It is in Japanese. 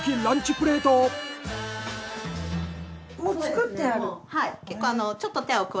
もう作ってある？